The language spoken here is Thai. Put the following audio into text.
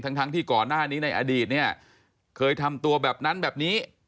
ทั้งทั้งที่ก่อนหน้านี้ในอดีตเนี่ยเคยทำตัวแบบนั้นแบบนี้